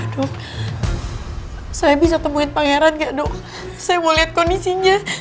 aduh saya bisa temuin pangeran kayak dok saya mau lihat kondisinya